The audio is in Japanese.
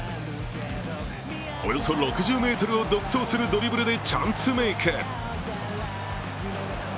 およそ６０ｍを独走するドリブルでチャンスメイク。